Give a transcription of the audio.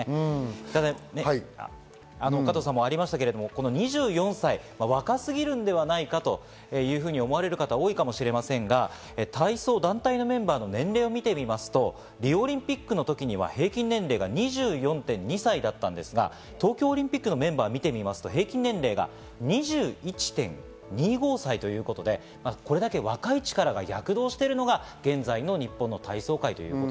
ただ加藤さんもありましたけど、２４歳、若すぎるのではないかというふうに思うれる方が多いかもしれませんが、体操団体のメンバーの年齢を見てみますと、リオオリンピックの時には平均年齢が２４．２歳だったんですが、東京オリンピックのメンバーを見てみますと、平均年齢が２１．２５歳ということで、これだけ若い力が躍動しているのが現在の日本の体操界。